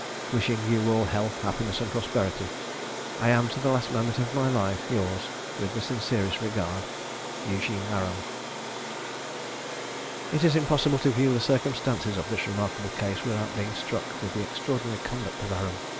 Wishing you all health, happiness, and prosperity, I am, to the last moment of my life, yours, with the sincerest regard, "EUGENE ARAM." It is impossible to view the circumstances of this remarkable case, without being struck with the extraordinary conduct of Aram.